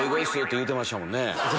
言うてましたもんね。